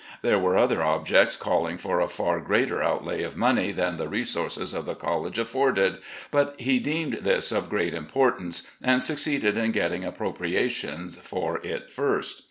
There were other objects calling for a far greater outlay of money than the resources of the college afforded, but he deemed this of great importance, and succeeded in getting ap propriations for it first.